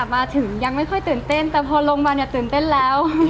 มาถึงยังไม่ค่อยตื่นเต้นแต่พอลงมาเนี่ยตื่นเต้นแล้ว